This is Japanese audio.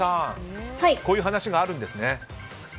こういう話があるんですね。